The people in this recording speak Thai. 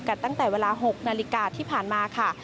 ตั้งแต่เวลา๖นาฬิกาที่ผ่านมาค่ะ